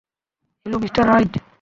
Hello, mister right.